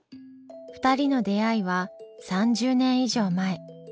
２人の出会いは３０年以上前。